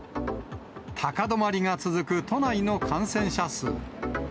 高止まりが続く都内の感染者数。